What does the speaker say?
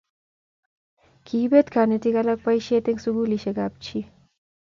kiibet konetik alak boisiet eng' sukulisiekab chi